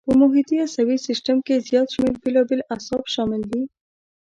په محیطي عصبي سیستم کې زیات شمېر بېلابېل اعصاب شامل دي.